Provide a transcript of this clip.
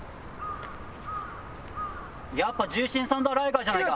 やっぱ獣神サンダー・ライガーじゃないか。